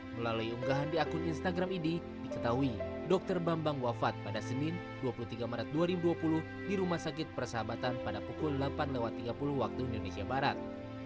melalui unggahan di akun instagram ini diketahui dr bambang wafat pada senin dua puluh tiga maret dua ribu dua puluh di rumah sakit persahabatan pada pukul delapan tiga puluh waktu indonesia barat